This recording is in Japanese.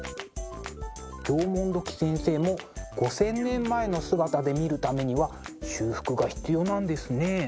縄文土器先生も５，０００年前の姿で見るためには修復が必要なんですね。